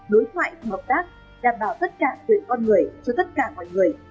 đối thoại và hợp tác đảm bảo tất cả tuyệt con người cho tất cả mọi người